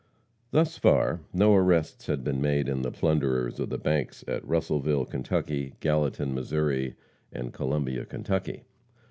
Thus far no arrests had been made of the plunderers of the banks at Russellville, Kentucky; Gallatin, Missouri, and Columbia, Kentucky.